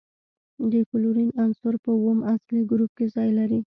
د کلورین عنصر په اووم اصلي ګروپ کې ځای لري.